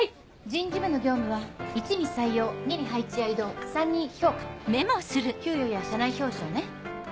人事部の業務は１に採用２に配置や異動３に評価給与や社内表彰ね。